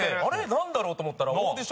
なんだろう？と思ったらオーディションで。